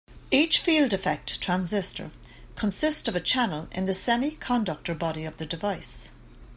Each field-effect transistor consists of a channel in the semiconductor body of the device.